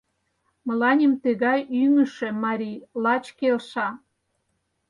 Мыланем тыгай ӱҥышӧ марий лач келша...